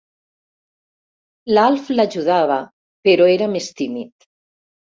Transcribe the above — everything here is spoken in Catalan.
L'Alf l'ajudava, però era més tímid.